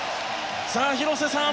広瀬さん